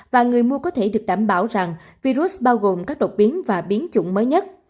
và người mua có thể được đảm bảo rằng virus bao gồm các độc biến và biến chủng mới nhất